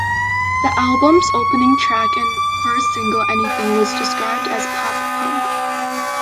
The album's opening track and first single, "Anything", was described as pop punk.